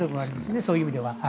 そういう意味では。